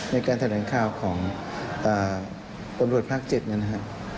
ในการแถลงข้าวของตำรวจภาค๗นั้นฮะ